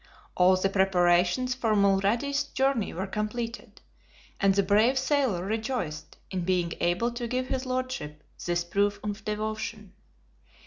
All the preparations for Mulrady's journey were completed, and the brave sailor rejoiced in being able to give his Lordship this proof of devotion.